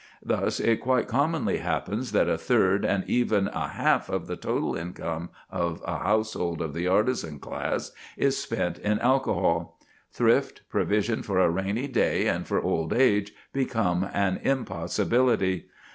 Thus it quite commonly happens that a third and even a half of the total income of a household of the artisan class is spent in alcohol. Thrift, provision for a rainy day and for old age, become an impossibility.